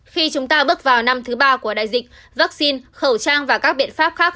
khi chúng ta bước vào năm thứ ba của đại dịch vaccine khẩu trang và các biện pháp khác